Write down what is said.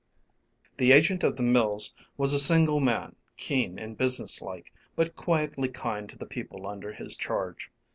The agent of the mills was a single man, keen and business like, but quietly kind to the people under his charge.